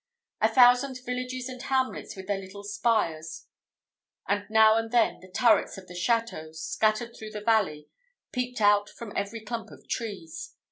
A thousand villages and hamlets with their little spires, and now and then the turrets of the châteaux, scattered through the valley, peeped out from every clump of trees.